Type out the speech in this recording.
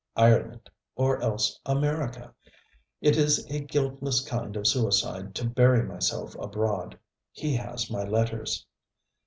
Ireland, or else America, it is a guiltless kind of suicide to bury myself abroad. He has my letters.